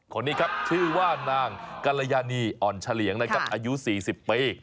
คนนี้ครับชื่อว่านางกัลยานีอ่อนเฉลี่ยงนะครับอายุ๔๐ปี